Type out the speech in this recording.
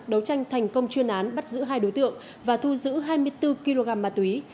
đấu tranh thành công chuyên án bắt giữ hai đối tượng và thu giữ hai mươi bốn kg ma túy